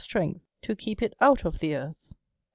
, strength to keep it out of the earth.